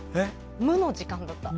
無の時間だった。